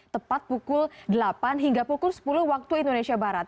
tepat pukul delapan hingga pukul sepuluh waktu indonesia barat